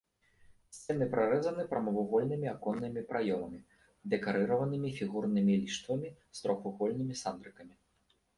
Сцены прарэзаны прамавугольнымі аконнымі праёмамі, дэкарыраванымі фігурнымі ліштвамі з трохвугольнымі сандрыкамі.